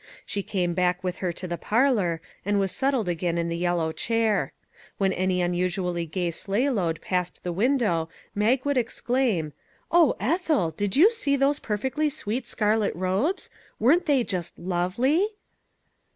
She came back with her to the parlor, and was set tled again in the yellow chair. When any un usually gay sleighload passed the window Mag would exclaim :" O Ethel ! did you see those 37 MAG AND MARGARET perfectly sweet scarlet robes? Weren't they just lovely?"